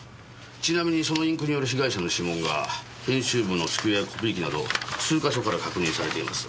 ちなみにそのインクによる被害者の指紋が編集部の机やコピー機など数か所から確認されています。